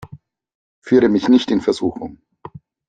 Führe mich nicht in Versuchung!